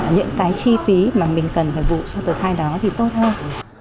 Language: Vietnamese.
những cái chi phí mà mình cần phải vụ cho tờ khai đó thì tốt hơn